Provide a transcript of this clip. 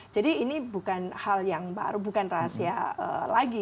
jadi ini bukan hal yang baru bukan rahasia lagi